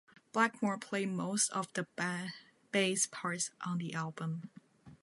Blackmore played most of the bass parts on the album.